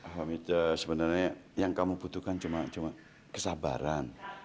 sebenarnya yang kamu butuhkan cuma kesabaran